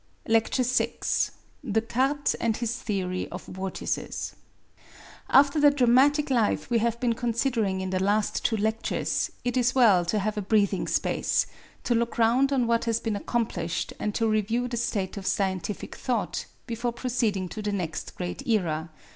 LECTURE VI DESCARTES AND HIS THEORY OF VORTICES After the dramatic life we have been considering in the last two lectures, it is well to have a breathing space, to look round on what has been accomplished, and to review the state of scientific thought, before proceeding to the next great era.